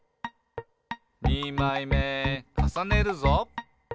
「にまいめかさねるぞ！」